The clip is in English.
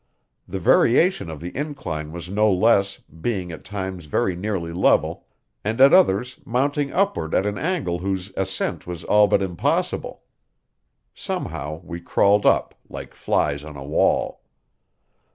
The variation of the incline was no less, being at times very nearly level, and at others mounting upward at an angle whose ascent was all but impossible. Somehow we crawled up, like flies on a wall.